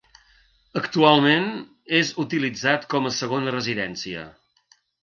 Actualment és utilitzat com a segona residència.